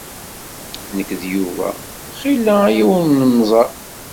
Nekk d Yuba xilla aya ur nemẓer.